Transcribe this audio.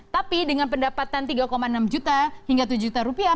tapi dengan pendapatan tiga enam juta hingga tujuh juta rupiah